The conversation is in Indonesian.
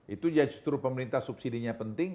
itu justru pemerintah subsidi nya penting